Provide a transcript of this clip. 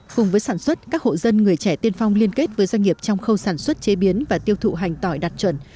cùng với sản xuất các hộ dân người trẻ tiên phong liên kết với doanh nghiệp trong khâu sản xuất chế biến và tiêu thụ hành tỏi đạt chuẩn